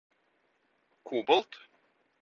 kobolt